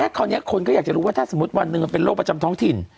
คราวนี้คนก็อยากจะรู้ว่าถ้าสมมุติวันหนึ่งมันเป็นโรคประจำท้องถิ่น